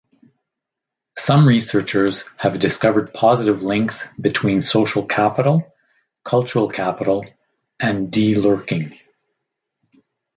Some researchers have discovered positive links between social capital, cultural capital, and de-lurking.